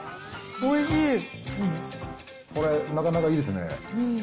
これ、なかなかいいですね。